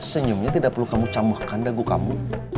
senyumnya tidak perlu kamu camukkan dagu kamu